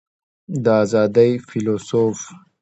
د آزادۍ فیلیسوف